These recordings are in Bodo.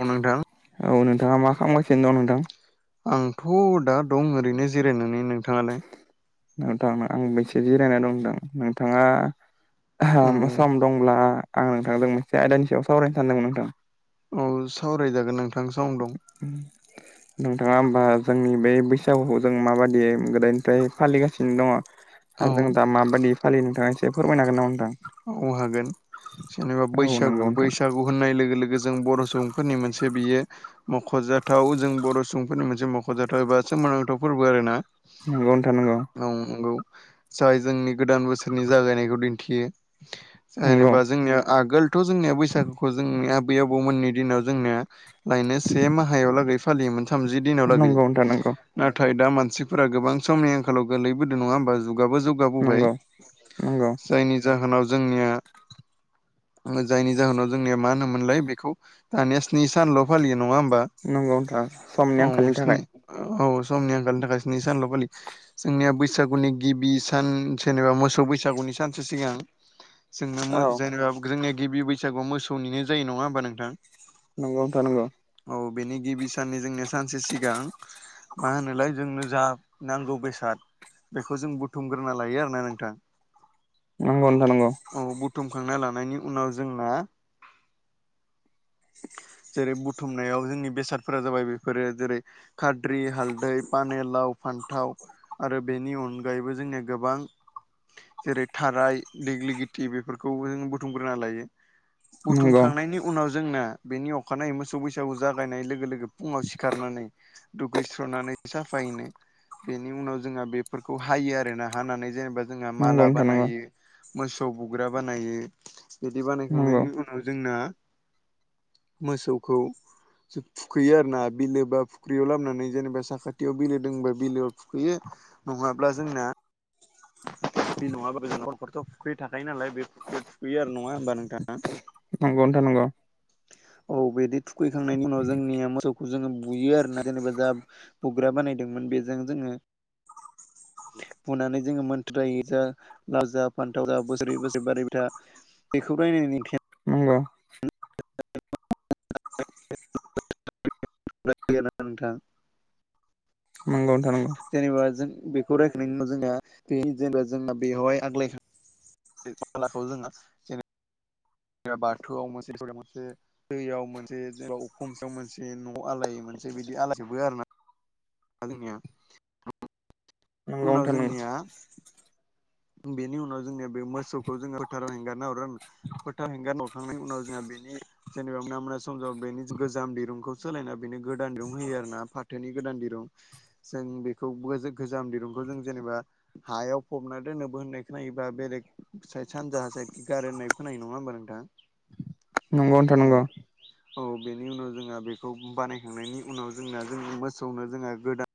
अ' नोंथां औ नोंथाङा मा खालामगासिनो दं नोंथां? आंथ' दा दं ओरैनो जिरायनानै नोंथाङालाय? नोंथां आंबो एसे जिरायना दं नोंथां। औ नोंथाङा सम दंब्ला आं नोंथांजों मोनसे आयदानि सायाव सावरायनो सानदोंमोन नोंथां। औ सावरायजागोन नोंथां सम दं। नोंथाङा होमबा जोंनि बे बैसागुखौ जों माबायदियै गोदोनिफ्राय फालिगासिनो दङ औ आरो जों दा माबायदि फालियो नोंथाङा एसे फोरमाय हागोन नामा नोंथां? औ हागोन जेनेबा हागोन नामा बैसागु नोंथां बैसागु होननाय लोगो लोगो जों बर' सुबुंफोरनि मोनसे बियो मख'जाथाव जों बर' सुबुंफोरनि मोनसे मख'जाथाव एबा सोमोनांथाव फोरबो आरोना नंगौ नोंथां नंगौ। नं नंगौ जाय जोंनि गोदान बोसोरनि जागायनायखौ दिन्थियो। जेनेबा जोंनिया आगोलथ' जोंनिया बैसागुखौ जोंनि आबै आबौमोननि दिनाव जोंनिया लायनो से माहायावलागै फालियोमोन थामजि दिनाव लागै नोंथां नंगौ नाथाय दा मानसिफोरा गोबां समनि आंखालाव गोलैबोदों नङा होमबा जुगाबो जुग बोबाय नंगौ नंगौ जायनि जाहोनाव जोंनिया जायनि जाहोनाव जोंनिया मा होनोमोनलाय बेखौ दानिया स्नि सानल' फालियो नङा होमबा नोंथां नंगौ नोंथां समनि औ आंखालनि नोंसिनि थाखाय औ समनि आंखालनि थाखाय स्नि सानल' फालियो। जोंनिया बैसागुनि गिबि सान जेनेबा मोसौ बैसागुनि सानसो सिगां जोंनो औ जेनेबा जोंनिया गिबि बैसागुआव मोसौनिनो जायो नङा होमबा नोंथां। नंगौ नोंथां नंगौ। औ बेनि गिबि साननि जोंनिया सानसे सिगां मा होनोलाय जोंनो जा नांगौ बेसाद बेखौ जों बुथुमग्रोना लायो आरोना नोंथां। नोंगौ नोंथां नोंगौ। औ बुथुमखांना लानायनि उनाव जोंना जेरै बुथुमनायाव जोंनि बेसादफोरा जाबाय बेफोरो जेरै खाद्रि हालदै पानेल लाव फान्थाव आरो बेनि अनगायैबो जोंनिया गोबां जेरै थाराय देग्लिगिथि बेफोरखौ जों बुथुमग्रोना लायो नंगौ बुथुमखांनायनि उ उनाव जोंना बेनि अखानायै मोसौ बैसागु जागायनाय लोगो लोगो फुंङाव सिखारनानै दुगैस्र'नानै साफायनो बेनि उनाव जोंहा बेफोरखौ हायो आरोना हानानै जेनेबा जोंहा नंगौ माला नोंथां नंगौ बानायो। मोसौ बुग्रा बानायो बिदि नंगौ बानायखांनायनि उनाव जोंना मोसौखौ जों थुखैयो आरोना बिलो बा फुख्रियाव लाबोननानै जेनेबा साखाथियाव बिलो दंङबा बिलोआव थुखैयो। नंङाब्ला जोंना दै नंङाब्ला जों मोसौ खौथ' थुखैयो नालाय बेखौ थुखैयो आरो नंङा होमबा नोंथांङा? नंगौ नोंथां नंगौ औ बिदि थुखैखांनायनि उनाव जोंनिया मोसौखौ जोंङो बुयो आरोना जेनेबा जा खुग्रा बानायदोंमोन बेजों जोंङो बुनानै जोंङो मोनथोर रायो जा लाव जाब फान्थाव जा बोसोरै बोसोरै बारैबाय था बेखौ रायनानै फिन नंगौ। नेथ गैया नामा नोंथां नंगौ नोंथां नंगौ जेनेबा जों बे रायखनायनि उनाव जोंना बे जेनेबा जोंना बेवहाय आग्लायखांनायखौ बे मालाखौ जोंङो [unintelligible] दैयाव मोनसे जेनेबा अखुमसेयाव मोनसे न' आलाय मोनसे बिदि आलायजोबो आरो ना। जोंनिया नंगौ उनाव जोंनिया बेनि उनाव जोंनिया बे मोसौखौ जोंङो फोथाराव हेंगारना हरो। फोथा हेंगार हरखांनायनि उनाव जोंहा बेनि जेनेबा मोना मोना समजाबा बेनि गोजाम दिरुंखौ सोलायना बेनो गोदान दिरुं होयो आरो ना फाथोनि गोदान दिरुं। जों बेखौ गोजाम दिरुंखौ जों जेनेबा हायाव फबनानै होननायबो खोनायोबा बेलेग साइ सानजाहा साइ गार होननायबो खोनायो नंङा होमबा नोंथां? नोंथां औ नंगौ औ बेनि उनाव जोंहा बेखौ बानायखांनायनि उनाव जोंना जों मोसौनो जों गोदान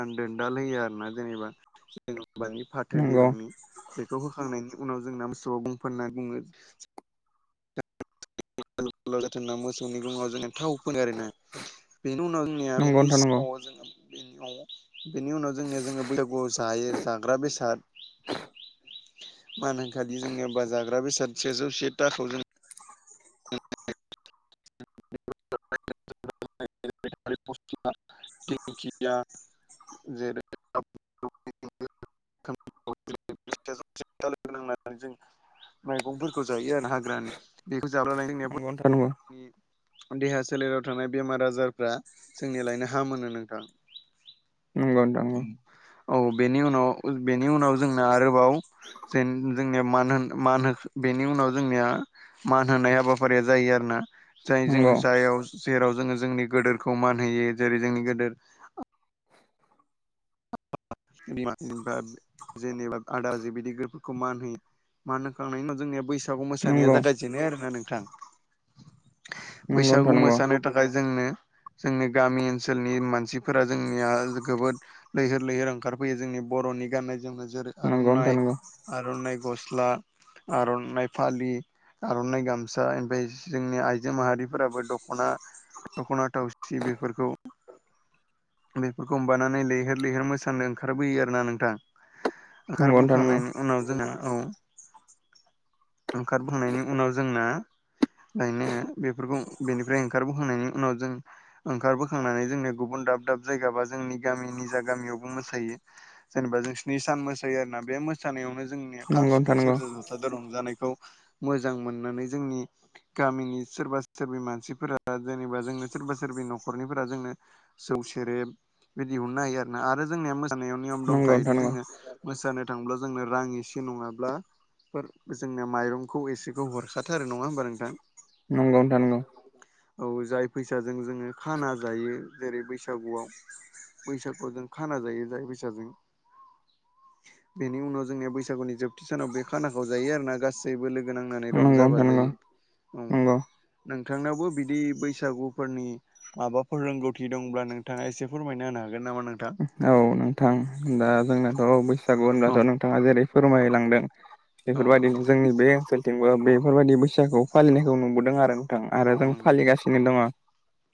आं न्दोनदाल होयो आरोना जेनेबा जेनबानि फाथो नंगौ दिरुंनि बेखौ होखांनायनि उनाव जोंना मोसौवा बुंफोनना बुङो जाथोंना मोसौनि गंङाव जों थाव फोनो आरोना बेनि उनाव नंगौ बेनि नोंथां सिङाव नंगौ जोंङो बेनि आव बेनि उनाव जोंनिया जोंङो बैसागुआव जायो जाग्रा बेसाद मान होनखालि जोंनियाबा जाग्रा बेसाद सेजौ से थाखा जों [unintelligible] [unintelligible] [unintelligible] बेखौ जानाय लोंनायाबो [unintelligible] देहा सोलेराव थानाय बेमार आजारफ्रा जोंनि लायनो हामोनो नोंथां। [inaudible] नंगौ नोंथां नंगौ। औ बेनि उनाव बेनि उनाव जोंना आरोबाव जेन जोंनिया मान होन मान बेनि उनाव जोंनिया मान होनाय हाबाफारिया जायो आरोना। जाय जों नंगौ जायाव जेराव जोंङो जोंनि गोदोरखौ मान होयो जेरै जोंनि गोदोर बिमा बिफा जेनेबा आदा बाजै बिदि गोदोरफोरखौ मान होयो मान होखांनायनि उनाव जोंनिया बैसागु मोसानाया जागाय जेनो आरोना नोंथां बैसागु नोंथां नंगौ मोसानो थाखाय जोंनो जोंनि गामि ओनसोलनि मानसिफोरा जोंनिया गोबोद लैहोर लैहोर ओंखारफैयो जोंनि बरनि गाननाय जोमनाय जेरै नंगौ आरनाइ। आरनाइ गस्ला आरनाइ फालि। आरनाइ गामसा एमफ्राय जोंनि आइजो माहारिफोराबो दखना दखना थावसि बेफोरखौ बेफोरखौ माबानानै लैहोर लैहोर मोसानो ओंखारबोयो आरोना नोंथां ओंखार नंगौ बोखांनायनि उनाव जोंना औ ओंखार बोखांनायनि उनाव जोंना गायनो बेफोरखौ बेनिफ्राय ओंखारबोखांनायनि उनाव जों ओंखारबोखांनानै जोंनिया गुबुन दाब दाब जायगा बा जोंनि गामिनि जा गामियावबो मोसायो जेनेबा जों स्नि सान मोसायो आरोना बे मो मोसानायावनो जोंनिया खाम नोंथां नंगौ नोंथां सिफुं नंगौ नोंथां नंगौ सेरजा जथाजो रंजानायखौ मोजां मोननानै जोंनि गामिनि सोरबा सोरबि मानसिफोरा जेनेबा जोंनो सोरबा सोरबि नखरनिफोरा जोंनो जौ सेरेब बिदि अनना होयो आरोना आरो जोंनिया मोसानायाव नियम नंगौ दंखायोदि नोंथां जोंङो मोसानो थाङोब्ला जोंनो रां एसे नङाब्ला फोर जोंनो माइरंखौ एसेखौ हरखाथारो नङा होमबा नोंथां? नंगौ नंगौ नोंथां नंगौ नोंथां नंगौ [inaudible] औ जाय फैसाजों जोङो खाना जायो जेरै बैसागुआव जों खाना जायो जाय फैसाजों बेनि उनाव जोंनिया बैसागुनि जोब थिसानाव बे खानाखौ जायो आरोना गासैबो लोगो नांनानै रंजा नंगौ नोंथां नंगौ बाजायै उम नंगौ नोंथांनावबो बिदि बैसागुफोरनि माबाफोर रोंगौथि दंब्ला नोंथाङा एसे फोरमायना होनो हागोन नामा नों औ नोंथां दा जोंनाथ बैसागु औ होनब्लाथ नोंथाङा जेरै फोरमायलांदों औ बेफोरबायदिनो जोंनि बे ओनसोलथिंबो बेफोरबायदि बैसागुखौ फालिनायखौ नुबोदों आरो थां औ आरो जों नंगौ फालिगासिनो दङ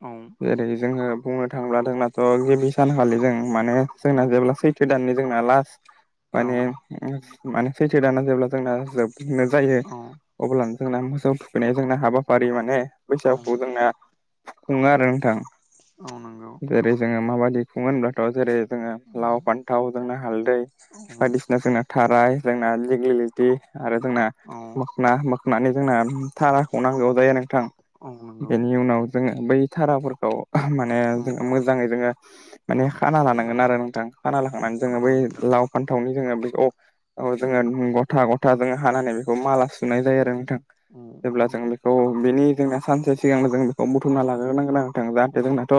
औ जेरै जोङो बुंनो थांङोब्ला जोंनाथ गिबि सानखालि जों माने जोंना औ जेब्ला सैथो दाननि जोंना लास्ट औ माने माने सैथो दाना जेब्ला जोंना जोबनो जायो औ अब्लानो जोंना मोसौ थुखैनाय जोंना हाबाफारि माने औ बैसागुखौ जोंना खुङो आरो नोंथां औ नों जेरै जोङो माबायदि खुङो होनब्लाथ जेरै जोङो औ लाव फान्थाव जोंना हालदै औ बायदिसि ना जोंना थाराय जोंना दिगलिटि आरो जोंना औ मोखना मोखनानि जोंना थाराखौ नांगौ जायो नोंथां औ नंगौ बेनि उनाव जोङो बै थाराफोरखौ माने औ जोङो मोजाङै जोङो माने खाना औ लानांगोन आरो नोंथां खाना लाखांनानै जोङो नंगौ बै नोंथां लाव फान्थावनि जोङो बे अ औ जोङो गथा गथा जोङो हानानै बेखौ माला सुनाय नंगौ औ नंगौ जायो आरो नोंथां जेब्ला जों औ बेनि जोंना सानसे सिगांनो जों बेखौ बुथुमना लाग्रोनांगोनांगोन आरो नोंथां जाहाथे जोंनाथ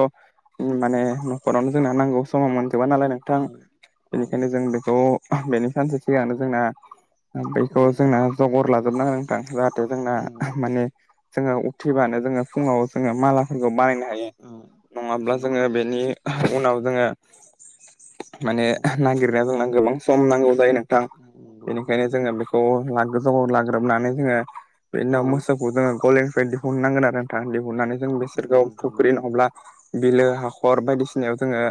माने नखरावनो जोंना नांगौ समाव मोनजोबा नालाय नों थां बेनिखायनो जों बेखौ बेनि सानसे सिगांनो जोंना बेखौ जोंना जगर लाजोबनांगोन नोंथां जाहाथे जोंना माने जोङो उथिबानो जोङो फुङाव जोङो मालाफोरखौ बानायनो हायो नङाब्ला जोंङो बेनि उनाव जोंङो माने नागिरनाया जोंना गोबां सम नांगौ जायो नोंथां बेनिखायनो जोंङो बे ला लाग्रोबनानै जोंङो औ बिदिननो मोसौखौ जोंङो गलिनिफ्राय हरनांगोन आरो नोंथां दिहुननानै जों बिसोरगाव फुख्रि नङाला बिलो हाखर बायदिसिनायाव जोंङो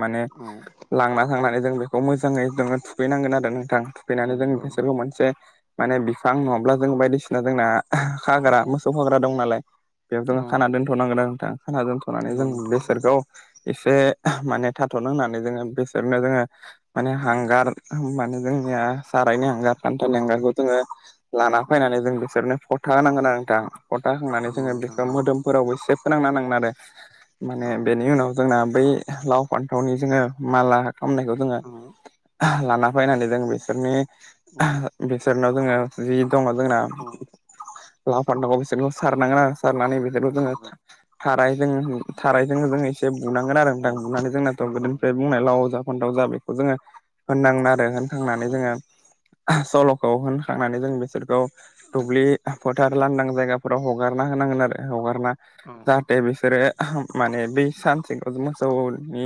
माने औ लांना लांनानै जों बेखौ मोजाङै जोङो थुखैनांगोन आरो नोंथां थुखैनानै जों नंगौ बिसोरखौ नोंथां मोनसे माने बिफां नङाब्ला जों बायदिसिना जोंना औ खाग्रा मोसौ खाग्रा दं नालाय बेयाव जोङो औ खान दोनथ'नांगोन आरो नोंथां खाना दोन' थनानै नंगौ जों नोंथां नंगौ बेसोरखौ एसे माने थाथ'नो होननानै जोङो बेसोरनो जोंङो माने औ हांगार माने जोंनिया सारायनि हांगार खान्थालनि हांगारखौ जोंङो लाना औ फैनानै जों बिसोरनो फथा होनांगोन आरो नोंथां फथा होनानै नंगौ जोंङो नोंथां बेखौ नंगौ मोदोमफोरावबो एसे फोनांना नांगोन आरो माने औ बेनि उनाव जोंना बै लाव फान्थावनि जोंङो माला खालामामनायखौ जो औ लाना फैनानै जों बिसोरनि औ बिसोरनाव जोंङो जि दङ जोंना औ लाफानांगौ बिसोरखौ सारनांगोन आरो सारनानै औ नंगौ जोंङो थारजों जो एसे बुनांगोन औ नानै जोंनाथ' नंगौ गोदोनिफ्राय नोंथां बुंनाय नंगौ लाव जा फथाव जा बेखौ जोङो होननांगोन आरो खांनानै औ जोङो सल'खौ होनखांनानै जों बिसोरखौ औ दुब्लि फोथार लांदां जायगाफोराव हगारना होनांगोन आरो हगारना औ जाहाथे बिसोरो माने बै सानसेखौ मोसौनि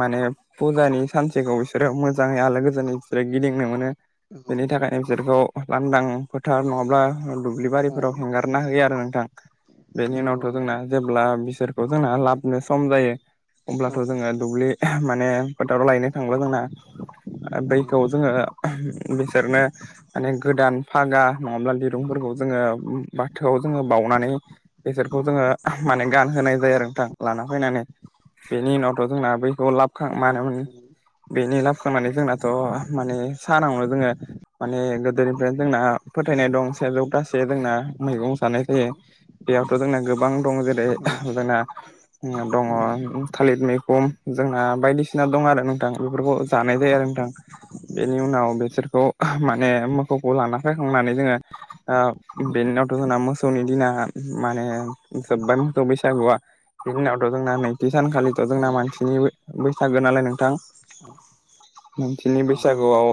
माने फुजानि सानसेखौ बिसोरो मोजाङै आलो गोजोनै बिसोरो गिदिंनो मोनो बेनि थाखाय न बिसोरखौ लांदां फोथार नङाब्ला औ नंगौ। औ दुब्लिबारिफोराव हेंगारना होयो आरो नोंथां बेनि नंगौ उनावथ' जोंना नोंथां जेब्ला बिसोरखौ जोंना लाबनो सम जायो अब्लाथ' औ जोंङो दुब्लि माने फोथाराव लायनो थांला जोंना औ बैखौ जोंङो बिसोरनो माने गोदान फागा नङाब्ला दिरुंफोरखौ जोंङो बाथोआव जोंङो बाउनानै बेसोरखौ जोंङो माने गानहोनाय जायो आरो नोंथां लाना फैनानै बेनि उनावथ' जोंना बैखौ लाबां मानोमोन नंगौ नोंथां। बेनि लाबखांनानै जोंना थ' माने साहानावनो जोंङो माने गोदोनिफ्रायनो जोंना फोथायनाय दं सेजौथासे जोंना मैगं जानाय जायो बेयावथ' जोंना गोबां दं जेरै औ जोंना औ दंङ थालिर मैगं जोंना बायदिसिना दं आरो नोंथां बेफोरखौ जानाय जायो आरो नोंथां बेनि उनाव बेसोरखौ माने मोसौखौ लाना फखांनानै जोंङो बेनि उनावथ' जोंना मोसौनि औ दिना म माने जोब्बाय मथ' बैसागुआ बिनि उनावथ' जोंना नैथि सानखालिथ' जोंना औ मानसिनि बैसागो नालाय नोंथां नंगौ मानसिनि बैसागुआव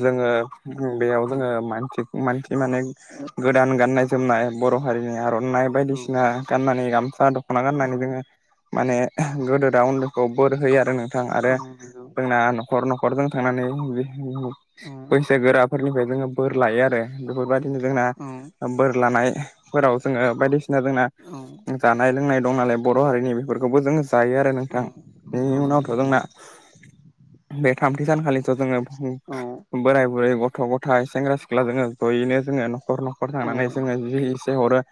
जोंङो बेयाव जोंङो मानसिक मानसि माने गोदान गाननाय जोमनाय बर' हारिनि आर'नाइ बायदिसिना गाननानै गामसा दखना गाननानै जोंङो माने गोदोरा उन्दैखौ बोर होयो आरो नोंथां आरो जोंना नखर नखरजों थांनानै बैसो गोराफोरनिफ्राय जोंङो बोर लायो आरो बेफोरबायदिनो जोंना बोर लानाय फोराव जोंङो बायदिसिना जोंना जानाय लोंनाय दं नालाय बर हारिनि बेफोरखौबो जोंङो जायो आरो नोंथां बेनि उनावथ नोंथां जोंना नंगौ बे थामथि सानखालि जोंङो औ बोराय बुरै गथ' गथाय सेंग्रा सिख्ला जोंङो जयैनो जोङो न'खर न'खर औ थांनानै जोंङो जि एसे हरो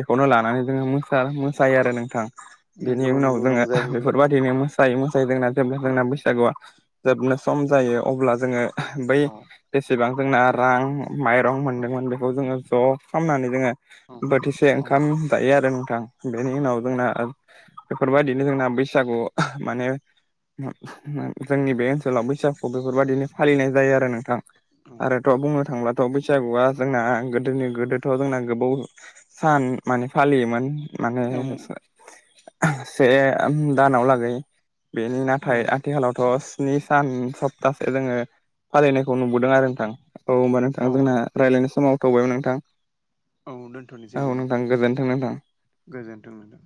बेखौनो लानानै जोंङोसा मोसायो आरो नोंथां बेनि नंगौ उनाव नंगौ जोंङो रंजाहैयो बे बादिनो मोसायोै मोसायो जोंना जेब्ला औ जोंना बैसागुआ जोबनो सम जायो अब्ला जोंङो बै औ बेसेबां जोंना रां माइरं औ मोनदोंमोऩ। बेखौ जोङो ज' खालामनानै जोङो औ बोथिसे औ ओंखाम जायो आरो नोंथां। बेनि उनाव जोंना बेफोरबादि नो जोंना बैसागु माने जोंनि बे ओनसोलाव बैसागु बेफोरबायदिनो फालिनाय जायो आरो नोंथां। आरोथ' बुंनो थांब्लाथ' बैसागुआ जोंना गोदोनि गोदोथ' जोंना गोबाव सान माने फालियोमोन माने [unintelligible] से दानाव लागै। बेनि औ नाथाय आथिखालावथ' स्नि सान सप्तासे जोङो फालिनायखौ नुबोदों आरो नोंथां। औ होमबा औ नोंथां जोंना रायज्लायनाय समा जाथबायमोन नोंथां। औ औ नोंथां गोजोनथों नोंथां। गोजोन्थों नोंथां।